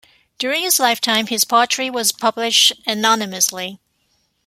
During his lifetime, his poetry was published anonymously.